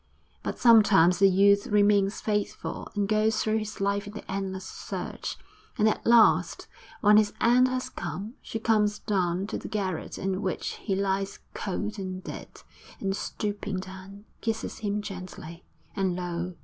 But sometimes the youth remains faithful, and goes through his life in the endless search; and at last, when his end has come, she comes down to the garret in which he lies cold and dead, and stooping down, kisses him gently and lo!